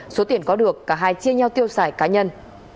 số tiền có được cả hai chia nhau tiêu xài cá nhân